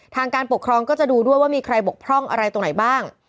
ทางการปกครองก็จะดูด้วยว่ามีใครบกพร่องอะไรตรงไหนบ้าง